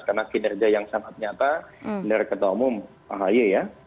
karena kinerja yang sangat nyata dari kata umum parah aja ya